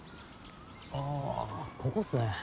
あぁここっすね。